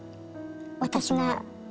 私が。